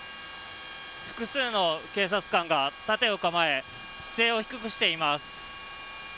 複数の警察官が盾を構え姿勢を低くしています。